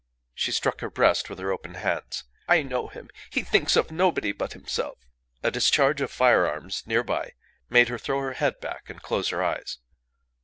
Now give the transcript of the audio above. She struck her breast with her open hands. "I know him. He thinks of nobody but himself." A discharge of firearms near by made her throw her head back and close her eyes.